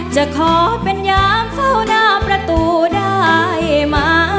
จะขอเป็นยามเฝ้าหน้าประตูได้มา